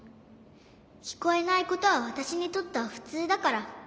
きこえないことはわたしにとってはふつうだから。